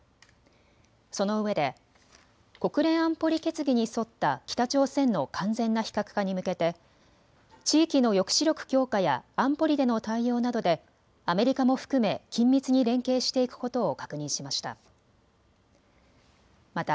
そのうえで国連安保理決議に沿った北朝鮮の完全な非核化に向けて地域の抑止力強化や安保理での対応などでアメリカも含め緊密に連携していくことを確認しました。